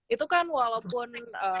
itu kan walaupun